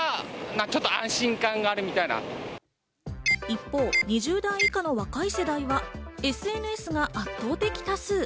一方、２０代以下の若い世代はＳＮＳが圧倒的多数。